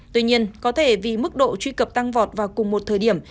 tuy nhiên có thể vì mức độ truy cập tăng vọt vào cùng một thời điểm